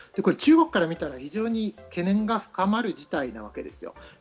中国から見たら非常に懸念が深まる事態なわけです。